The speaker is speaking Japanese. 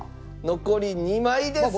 残り２枚です！